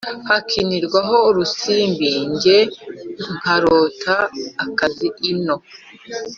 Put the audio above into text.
hakinirwaga urusimbi njye nkarota akazi ino